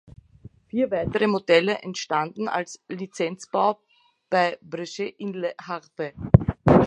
Vier weitere Modelle entstanden als Lizenzbau bei Breguet in Le Havre.